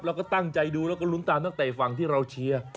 เราก็ตั้งใจดูแล้วก็ลุ้นตามนักเตะฝั่งที่เราเชียร์